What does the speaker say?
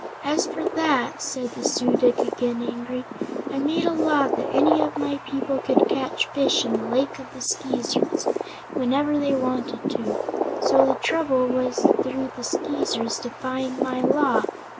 "As for that," said the Su dic, again angry, "I made a law that any of my people could catch fish in the Lake of the Skeezers, whenever they wanted to. So the trouble was through the Skeezers defying my law."